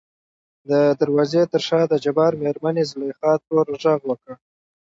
د دروازې تر شا دجبار مېرمنې زليخا ترور غږ وکړ .